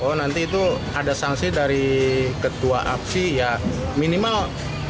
oh nanti itu ada sanksi dari ketua apsi ya minimal